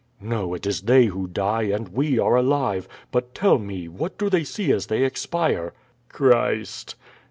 "No, it is they who die, and we are alive. But tell me what do they see as they expire?" "Christ."